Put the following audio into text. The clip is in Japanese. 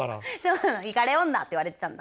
いかれ女っていわれてたんだ。